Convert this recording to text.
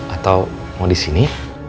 atau mau disini